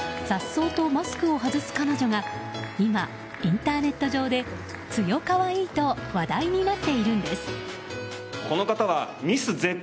颯爽とマスクを外す彼女が今、インターネット上で強かわいいと話題になっているんです。